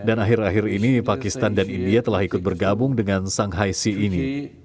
dan akhir akhir ini pakistan dan india telah ikut bergabung dengan shanghai sea ini